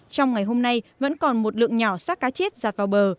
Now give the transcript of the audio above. trong ngày hôm nay vẫn còn một lượng nhỏ sát cá chết giặt vào bờ